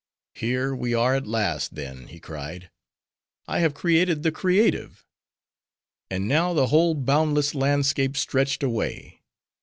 "Here we are at last, then," he cried; "I have created the creative." And now the whole boundless landscape stretched away.